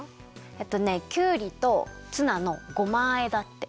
えっとねきゅうりとツナのごまあえだって。